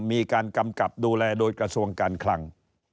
มีการกำกับดูแลโดยกระทรวงการคลัง